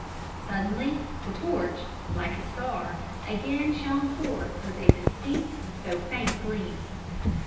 Suddenly the torch, like a star, again shone forth with distinct though faint gleam.